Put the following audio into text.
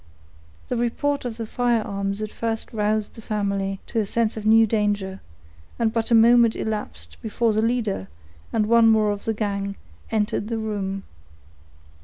The report of the firearms at first roused the family to the sense of a new danger, and but a moment elapsed before the leader, and one more of the gang, entered the room.